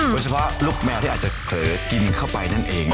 โดยเฉพาะลูกแมวที่อาจจะเผากินเข้าไปนั่นเอง